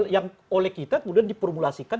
yang oleh kita kemudian diformulasikan